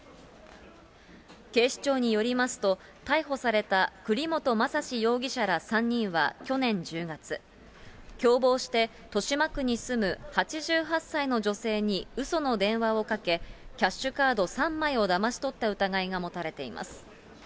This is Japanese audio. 警視庁によりますと、逮捕された栗本まさし容疑者ら３人は去年１０月、共謀して、豊島区に住む８８歳の女性にうその電話をかけ、キャッシュカード３枚をだまし取った疑いが持たれています。